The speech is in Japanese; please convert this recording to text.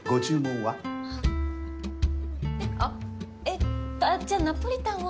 えっ？あっえっとあっじゃあナポリタンを。